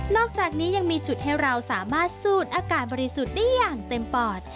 อกจากนี้ยังมีจุดให้เราสามารถสูดอากาศบริสุทธิ์ได้อย่างเต็มปอด